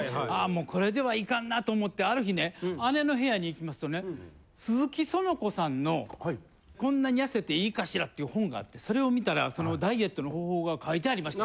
もうこれではいかんなと思ってある日ね姉の部屋に行きますとね鈴木その子さんの「こんなにやせていいかしら」っていう本があってそれを見たらそのダイエットの方法が書いてありました。